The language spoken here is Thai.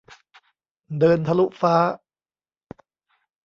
เดินทะลุฟ้า